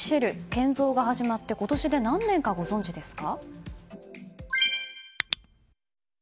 建造が始まって今年で何年かご存じですか？